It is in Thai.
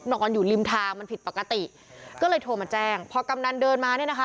นอนอยู่ริมทางมันผิดปกติก็เลยโทรมาแจ้งพอกำนันเดินมาเนี่ยนะคะ